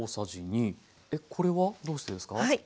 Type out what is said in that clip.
これはどうしてですか？